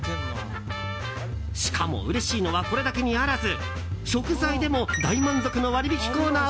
しかも、うれしいのはこれだけにあらず！